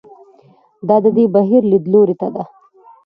دا د دې بهیر لیدلوري ته ده.